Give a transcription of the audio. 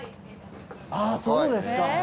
あっそうですか。